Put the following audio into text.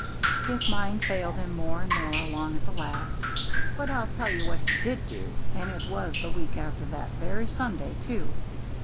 His mind failed him more and more along at the last. But I'll tell you what he did do, and it was the week after that very Sunday, too.